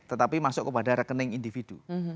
tetapi masuk kepada rekening individu